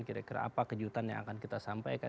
kira kira apa kejutan yang akan kita sampaikan